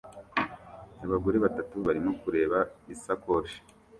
Abagore batatu barimo kureba isakoshi